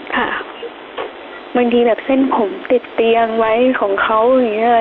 ค่ะบางทีแบบเส้นผมติดเตียงไว้ของเขาอย่างนี้ค่ะ